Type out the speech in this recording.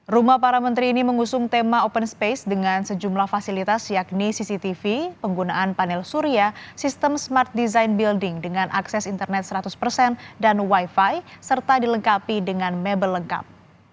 rumah para menteri ini mengusung tema open space dengan sejumlah fasilitas yakni cctv penggunaan panel surya sistem smart design building dengan akses internet seratus persen dan wifi serta dilengkapi dengan mebel lengkap